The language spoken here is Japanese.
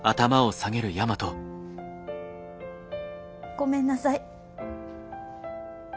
ごめんなさい。